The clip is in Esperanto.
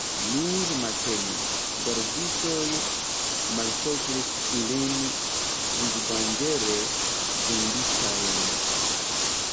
Nur matene gardistoj malkovris ilin, vivdanĝere vunditajn.